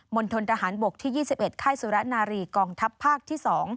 ณฑนทหารบกที่๒๑ค่ายสุรนารีกองทัพภาคที่๒